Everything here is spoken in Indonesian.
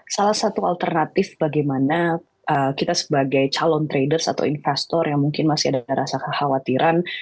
salah satu alternatif bagaimana kita sebagai calon traders atau investor yang mungkin masih ada rasa kekhawatiran